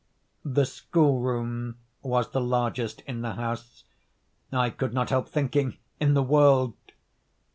The school room was the largest in the house—I could not help thinking, in the world.